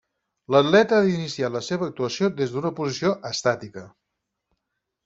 L'atleta ha d'iniciar la seva actuació des d'una posició estàtica.